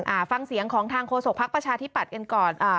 อ่าฟังเสียงของทางโฆษกภักดิ์ปชาธิปัตพ์